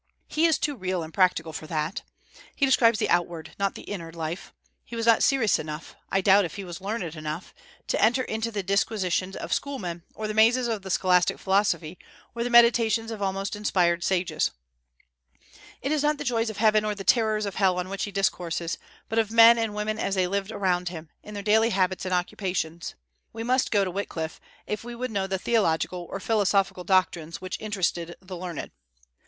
He is too real and practical for that. He describes the outward, not the inner life. He was not serious enough I doubt if he was learned enough to enter into the disquisitions of schoolmen, or the mazes of the scholastic philosophy, or the meditations of almost inspired sages. It is not the joys of heaven or the terrors of hell on which he discourses, but of men and women as they lived around him, in their daily habits and occupations. We must go to Wyclif if we would know the theological or philosophical doctrines which interested the learned.